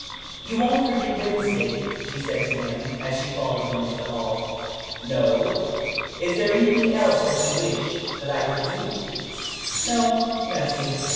"You won't forget Wednesday?" she said to him, as she followed him into the hall. "No. Is there anything else that you wish that I could do?" "No, nothing.